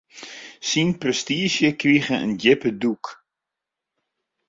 Syn prestiizje krige in djippe dûk.